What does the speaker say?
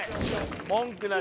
文句なし。